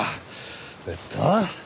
えっと